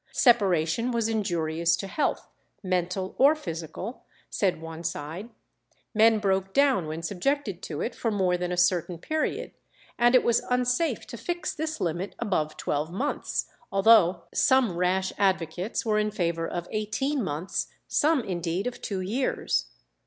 Separation was injurious to health, mental or physical, said one side; men broke down when subjected to it for more than a certain period, and it was unsafe to fix this limit above twelve months, although some rash advocates were in favour of eighteen months, some indeed of two years.